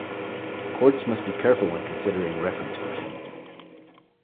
Courts must be careful when considering reference questions.